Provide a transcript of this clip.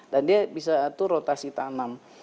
dan dia bisa atur rotasi tanam